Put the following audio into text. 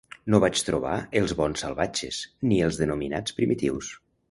No vaig trobar els "bons salvatges" ni els denominats "primitius".